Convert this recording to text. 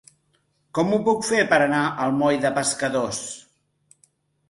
Com ho puc fer per anar al moll de Pescadors?